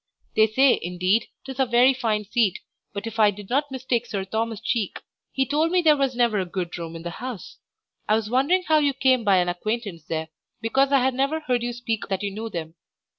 They say, indeed, 'tis a very fine seat, but if I did not mistake Sir Thomas Cheeke, he told me there was never a good room in the house. I was wondering how you came by an acquaintance there, because I had never heard you speak that you knew them.